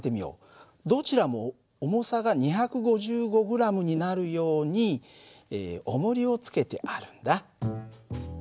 どちらも重さが２５５ｇになるようにおもりをつけてあるんだ。